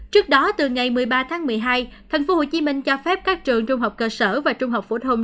trước đó từ ngày một mươi ba tháng một mươi hai thành phố hồ chí minh cho phép các trường trung học cơ sở và trung học phổ thông